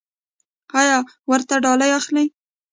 ایا ورته ډالۍ اخلئ؟